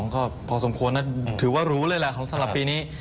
ก็พอสมควรนะถือว่ารู้เลยแหละสำหรับปีนี้